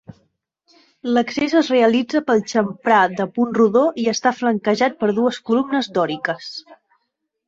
L'accés es realitza pel xamfrà de punt rodó i està flanquejat per dues columnes dòriques.